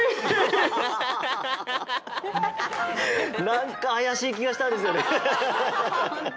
なんかあやしいきがしたんですよね。